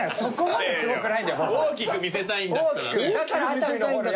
大きく見せたいんだったらね。